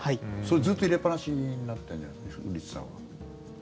ずっと入れっぱなしになってるんじゃ古市さんは。